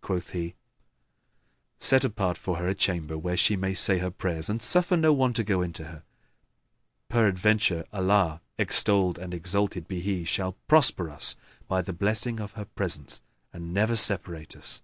Quoth he, "Set apart for her a chamber where she may say her prayers; and suffer no one to go in to her: peradventure, Allah (extolled and exalted be He!) shall prosper us by the blessing of her presence and never separate us."